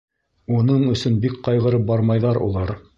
Уның өсөн бик ҡайғырып бармайҙар улар.